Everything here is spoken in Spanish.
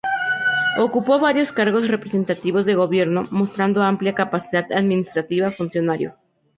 Ocupó varios cargos representativos de gobierno, mostrando amplia capacidad administrativa funcionario.